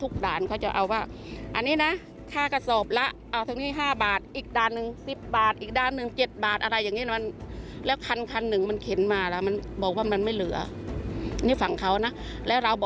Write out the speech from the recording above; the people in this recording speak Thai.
ขณะที่ผลตำรวจเอกษีวารา